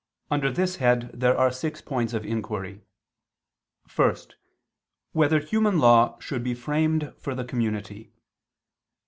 Under this head there are six points of inquiry: (1) Whether human law should be framed for the community?